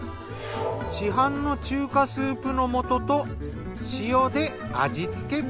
市販の中華スープの素と塩で味付け。